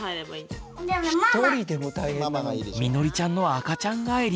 みのりちゃんの赤ちゃん返り。